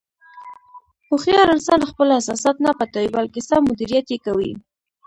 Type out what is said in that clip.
هوښیار انسان خپل احساسات نه پټوي، بلکې سم مدیریت یې کوي.